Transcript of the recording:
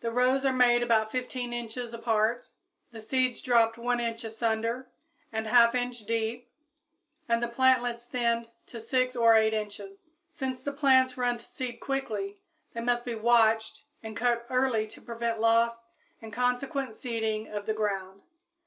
The rows are made about 15 inches apart, the seeds dropped 1 inch asunder and 1/2 inch deep and the plantlets thinned to 6 or 8 inches. Since the plants run to seed quickly, they must be watched and cut early to prevent loss and consequent seeding of the ground.